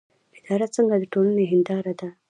اداره څنګه د ټولنې هنداره ده؟